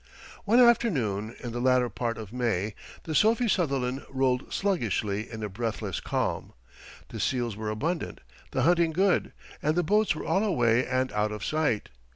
One afternoon in the latter part of May the Sophie Sutherland rolled sluggishly in a breathless calm. The seals were abundant, the hunting good, and the boats were all away and out of sight.